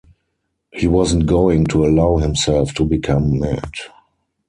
He wasn't going to allow himself to become mad.